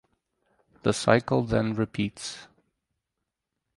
The cycle then repeats.